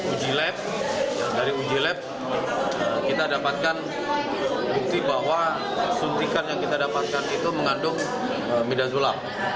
uji lab dari uji lab kita dapatkan bukti bahwa suntikan yang kita dapatkan itu mengandung middzula